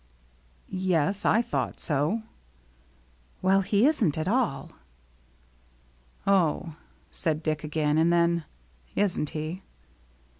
" Yes, I thought so." "Well, he isn't at all." " Oh," said Dick again. And then, " Isn't he?"